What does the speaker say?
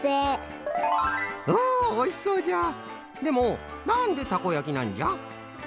でもなんでたこやきなんじゃ？